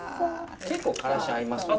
結構からし合いますよね。